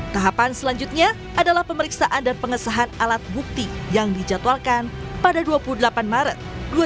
tahapan selanjutnya adalah pemeriksaan dan pengesahan alat bukti yang dijadwalkan pada dua puluh delapan maret dua ribu dua puluh